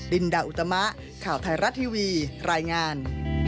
ลินดาอุตมะข่าวไทยรัฐทีวีรายงาน